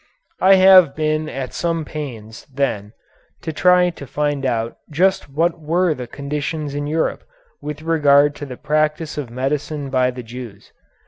I have been at some pains, then, to try to find out just what were the conditions in Europe with regard to the practice of medicine by the Jews.